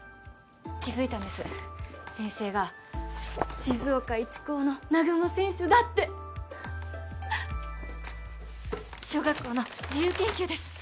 気づいたんです先生が静岡一高の南雲選手だって小学校の自由研究です